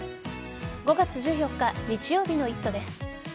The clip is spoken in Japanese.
５月１４日日曜日の「イット！」です。